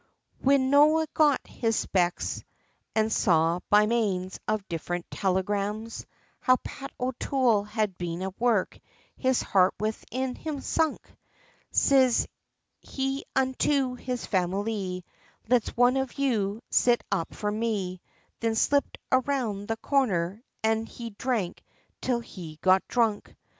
Whin Noah got his specks, an' saw by manes of different telegrams, How Pat O'Toole had been at work, his heart within him sunk, Siz he unto his Familee, "Let one of you's, sit up for me," Thin slipped around the corner, and he dhrank till he got dhrunk.